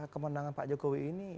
kemenangan pak jokowi ini